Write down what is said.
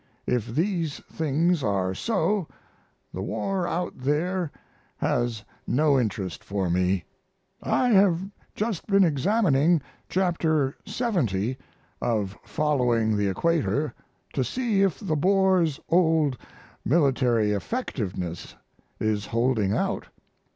If these things are so the war out there has no interest for me. I have just been examining Chapter LXX of Following the Equator to see if the Boer's old military effectiveness is holding out.